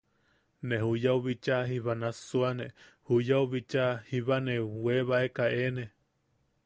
Ne juyau bichaa jiba nassuane, juyau bichaa jiba ne weebaeka eene.